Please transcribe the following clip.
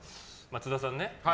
津田さんね。